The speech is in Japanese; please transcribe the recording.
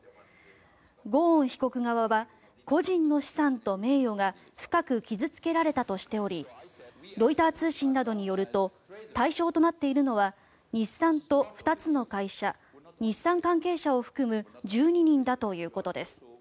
ゴーン被告側は個人の資産と名誉が深く傷付けられたとしておりロイター通信などによると対象となっているのは日産と２つの会社日産関係者を含む１２人だということです。